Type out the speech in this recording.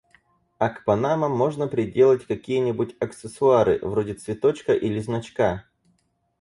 А к панамам можно приделать какие-нибудь аксессуары, вроде цветочка или значка?